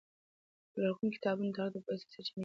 لرغوني کتابونه د تاریخ د پوهې اصلي سرچینې دي.